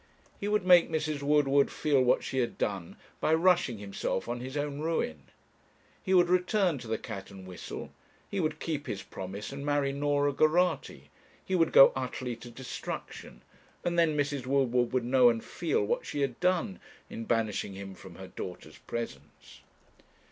He would make Mrs. Woodward feel what she had done, by rushing, himself, on his own ruin. He would return to the 'Cat and Whistle' he would keep his promise and marry Norah Geraghty he would go utterly to destruction, and then Mrs. Woodward would know and feel what she had done in banishing him from her daughter's presence!